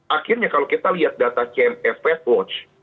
akhirnya kalau kita lihat data cnf fastwatch